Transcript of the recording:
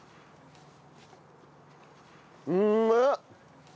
うめえっ！